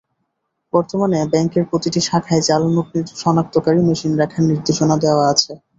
বর্তমানে ব্যাংকের প্রতিটি শাখায় জাল নোট শনাক্তকারী মেশিন রাখার নির্দেশনা দেওয়া আছে।